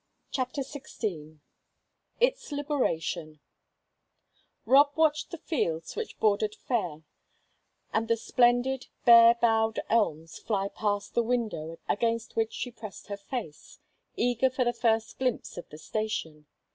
CHAPTER SIXTEEN ITS LIBERATION Rob watched the fields which bordered Fayre, and the splendid, bare boughed elms fly past the window against which she pressed her face, eager for the first glimpse of the station.